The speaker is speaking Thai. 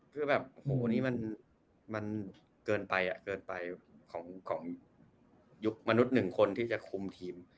คือแบบโอ้โหนี่มันเกินไปเกินไปของยุคมนุษย์หนึ่งคนที่จะคุมทีม